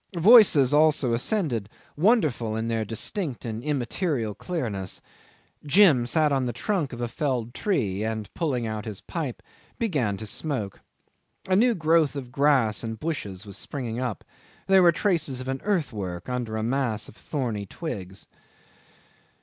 Voices also ascended, wonderful in their distinct and immaterial clearness. Jim sat on the trunk of a felled tree, and pulling out his pipe began to smoke. A new growth of grass and bushes was springing up; there were traces of an earthwork under a mass of thorny twigs.